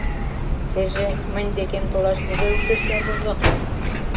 Теже... мынь декем толаш кузе ушешда возо?